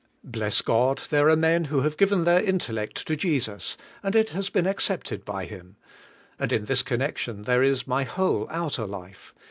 Bless God, there are men who have given their intellect to Jesus, and it has been accepted by Him. And in this connection there is my whole outer life.